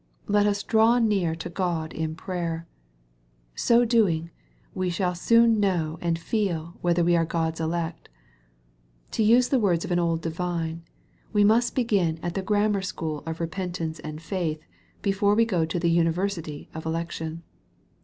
Let us draw near to God in prayer. So doing, we shall soon know and feel whether we are God's elect. To use the words of an old divine, we must begin at the grammar school of repentance and faith before we go to the university of election.